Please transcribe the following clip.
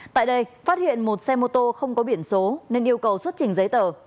tại đây phát hiện một xe mô tô không có biển số nên yêu cầu xuất trình giấy tờ